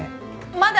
まだ！